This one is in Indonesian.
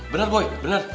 benar boy benar